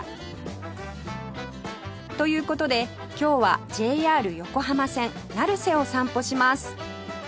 という事で今日は ＪＲ 横浜線成瀬を散歩します